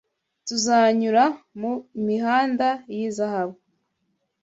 Tuzanyura m’ imihanda y ‘izahabu